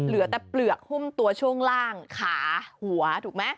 เหลือแต่เปลือกหุ้มตัวช่วงล่างขาหัวถูกไหม